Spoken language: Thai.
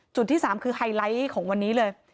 ที่๓คือไฮไลท์ของวันนี้เลย